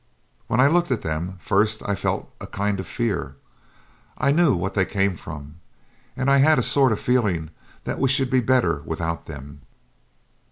When I looked at them first I felt a kind of fear. I knew what they came from. And I had a sort of feeling that we should be better without them.